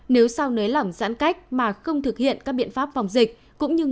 nếu sau nới lỏng giãn cách mà không thực hiện các biện pháp phòng dịch